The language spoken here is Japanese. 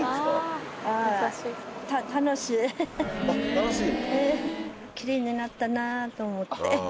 楽しい。